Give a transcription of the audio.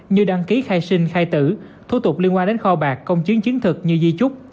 như đăng ký khai sinh khai tử thủ tục liên quan đến kho bạc công chứng chứng thực như di trúc